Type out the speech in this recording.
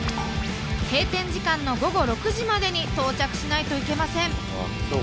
閉店時間の午後６時までに到着しないといけません。